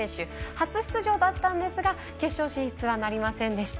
初出場だったんですが決勝進出はなりませんでした。